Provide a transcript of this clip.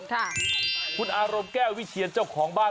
ค่ะคุณอารมณ์แก้วิเทียร์เจ้าของบ้าน